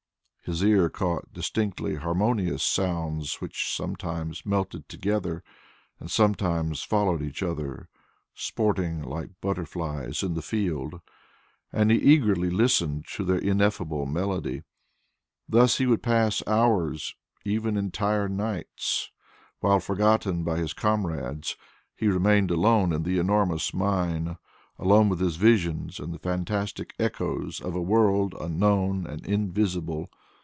His ear caught distinctly harmonious sounds, which sometimes melted together and sometimes followed each other, sporting like butterflies in the field, and he eagerly listened to their ineffable melody. Thus he would pass hours and even entire nights while, forgotten by his comrades, he remained alone in the enormous mine, alone with his visions and the fantastic echoes of a world unknown and invisible.